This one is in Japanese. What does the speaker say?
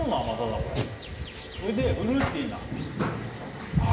これそれでフルーティーなああ